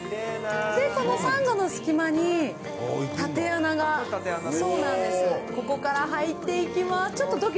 このサンゴの隙間に縦穴が、ここから入っていきます。